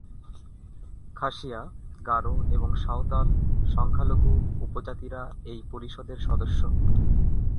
খাসিয়া, গারো এবং সাঁওতাল সংখ্যালঘু উপজাতিরা এই পরিষদের সদস্য।